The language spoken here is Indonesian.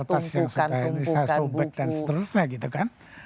kertas kertas yang suka saya bisa sobek dan seterusnya gitu kan